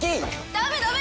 ダメダメ！